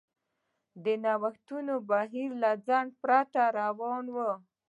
د نوښتونو بهیر له ځنډ پرته روان و.